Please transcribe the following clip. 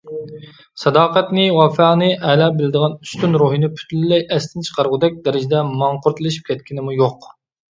ساداقەتنى، ۋاپانى ئەلا بىلىدىغان ئۈستۈن روھىنى پۈتۈنلەي ئەستىن چىقارغۇدەك دەرىجىدە ماڭقۇرتلىشىپ كەتكىنىمۇ يوق.